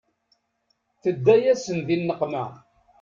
Tedda-yasen di nneqma.